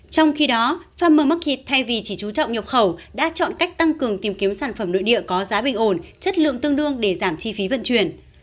trong khi đó farmer market thay vì chỉ chú trọng nhập khẩu đã chọn cách tăng cường tìm kiếm sản phẩm nội địa có giá bình ổn chất lượng tương đương để giảm chi phí vận chuyển